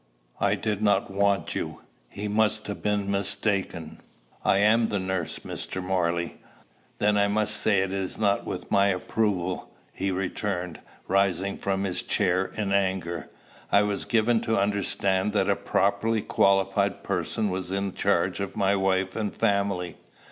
"I did not want you. He must have mistaken." "I am the nurse, Mr. Morley." "Then I must say it is not with my approval," he returned, rising from his chair in anger. "I was given to understand that a properly qualified person was in charge of my wife and family.